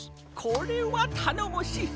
これはたのもしい！